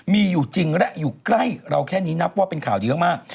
มีอยู่จริงและอยู่ใกล้เราแค่นี้นับว่าเป็นข่าวดีมาก